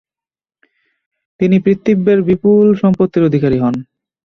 তিনি পিতৃব্যের বিপুল সম্পত্তির অধিকারী হন।